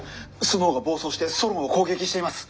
スノウが暴走してソロンを攻撃しています！